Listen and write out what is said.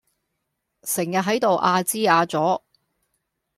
成日喺度阿支阿左